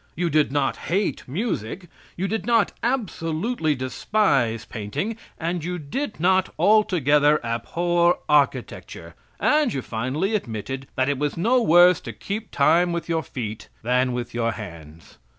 You did not hate music, you did not absolutely despise painting, and you did not altogether abhor architecture, and you finally admitted that it was no worse to keep time with your feet than with your hands.